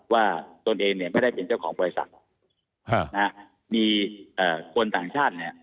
ตนเองเนี่ยไม่ได้เป็นเจ้าของบริษัทมีคนต่างชาติเนี่ย